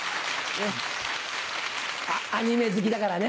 アニメ好きだからね。